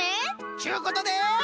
ちゅうことで。